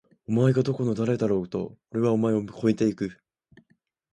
お前がどこの誰だろうと！！おれはお前を超えて行く！！